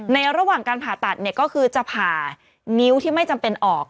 ระหว่างการผ่าตัดก็คือจะผ่านิ้วที่ไม่จำเป็นออก